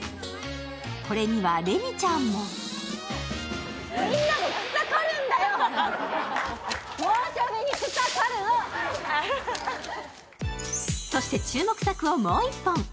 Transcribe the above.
これには、れにちゃんもそして注目作をもう一本。